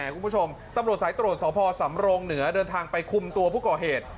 คุณผู้ชมตำรวจสายตรวจสพสำรงเหนือเดินทางไปคุมตัวผู้ก่อเหตุ